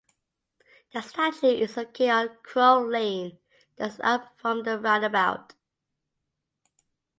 The statue is located on Crow Lane just up from the roundabout.